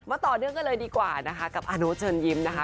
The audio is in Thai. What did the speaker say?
ต่อเนื่องกันเลยดีกว่านะคะกับอาโน๊ตเชิญยิ้มนะคะ